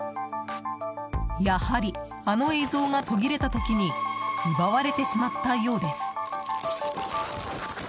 やはり、あの映像が途切れた時に奪われてしまったようです。